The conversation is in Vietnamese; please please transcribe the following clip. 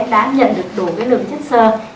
đã nhận được đủ cái lượng chất sơ